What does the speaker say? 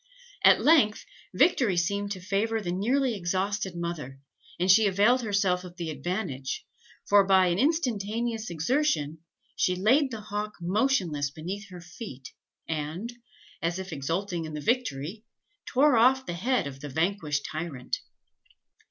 At length, victory seemed to favour the nearly exhausted mother, and she availed herself of the advantage; for, by an instantaneous exertion, she laid the hawk motionless beneath her feet, and, as if exulting in the victory, tore off the head of the vanquished tyrant.